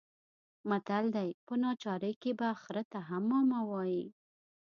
متل دی: په ناچارۍ کې به خره ته هم ماما وايې.